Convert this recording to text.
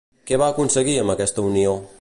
Què va aconseguir amb aquesta unió?